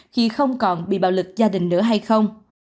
khi không còn bị bạo lực gia đình nữa hay không